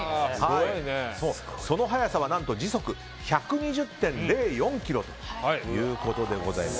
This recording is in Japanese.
その速さは時速１２０．０４キロということでございます。